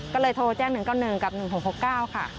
ก็เลยโทรแจ้ง๑๙๑กับ๑๖๖๙ค่ะ